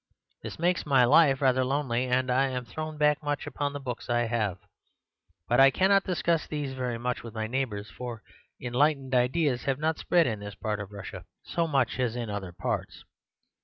This makes my life rather lonely, and I am thrown back much upon the books I have. But I cannot discuss these very much with my neighbours, for enlightened ideas have not spread in this part of Russia so much as in other parts.